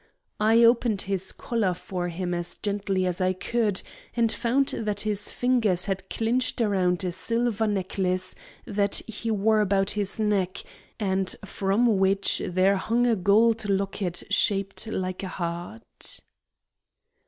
I opened his collar for him as gently as I could, and found that his fingers had clinched around a silver necklace that he wore about his neck, and from which there hung a gold locket shaped like a heart."